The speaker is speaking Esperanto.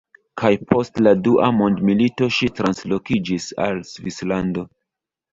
Kaj post la dua mondmilito, ŝi translokiĝis al Svislando.